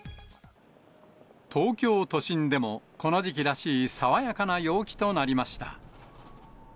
東京都心でも、この時期らしい爽やかな陽気となりました。